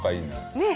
ねえ。